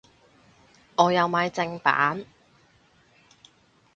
我有買正版